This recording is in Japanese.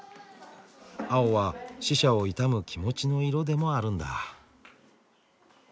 青は死者を悼む気持ちの色でもあるんだ。